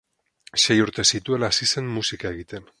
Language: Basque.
Sei urte zituela hasi zen musika egiten.